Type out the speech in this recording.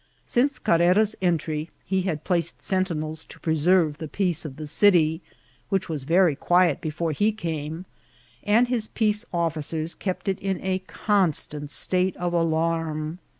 Since Carrera's entry, he had placed sentinelB to preserve the peace of the city, which was very quiet beibre he came, and his peace* officers kept it in a constant state of alarm.